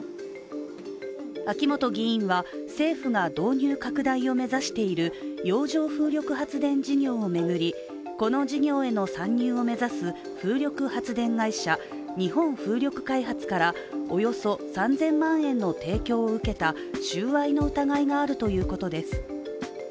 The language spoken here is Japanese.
秋本議員は、政府が導入拡大を目指している洋上風力発電事業を巡りこの事業への参入を目指す風力発電会社、日本風力開発からおよそ３０００万円の提供を受けた収賄の疑いがあるということです。